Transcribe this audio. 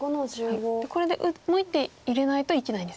これでもう１手入れないと生きないんですね。